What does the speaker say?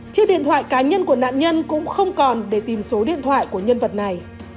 chiếc điện thoại cá nhân của nạn nhân cũng không còn để tìm số điện thoại của nhân vật này